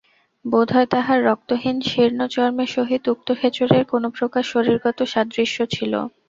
বোধ হয় তাঁহার রক্তহীন শীর্ণ চর্মের সহিত উক্ত খেচরের কোনোপ্রকার শরীরগত সাদৃশ্য ছিল।